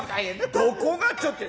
どこがちょっとや。